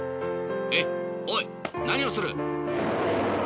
えっおいなにをする？